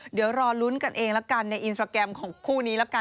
เดี๋ยวรอลุ้นกันเองละกันในอินสตราแกรมของคู่นี้ละกัน